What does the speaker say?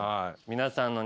皆さんの。